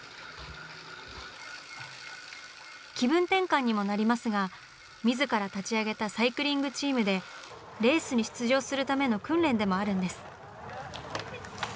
気分転換にもなりますが自ら立ち上げたサイクリングチームでレースに出場するための訓練でもあるんです。